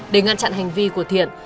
để ngăn chặn hành vi của thiện